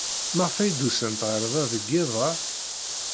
Maɣef ay d-usant ɣer da deg yiḍ-a?